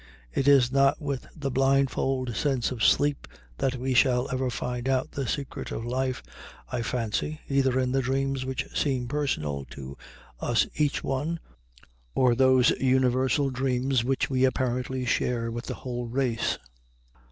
It is not with the blindfold sense of sleep that we shall ever find out the secret of life, I fancy, either in the dreams which seem personal to us each one, or those universal dreams which we apparently share with the whole race.